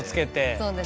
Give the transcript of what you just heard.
そうですね。